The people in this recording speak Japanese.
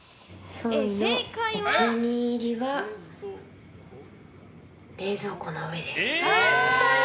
ソイのお気に入りは冷蔵庫の上です。